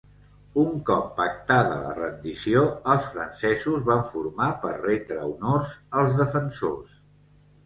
Un cop pactada la rendició, els francesos van formar per retre honors als defensors.